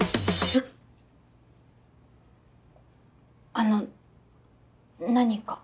あの何か？